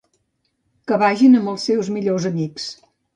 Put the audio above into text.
Que vagin amb els seus millors amics.